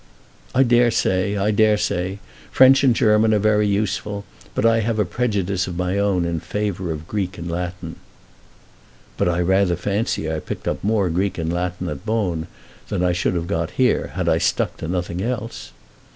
"I dare say; I dare say. French and German are very useful. I have a prejudice of my own in favour of Greek and Latin." "But I rather fancy I picked up more Greek and Latin at Bohn than I should have got here, had I stuck to nothing else."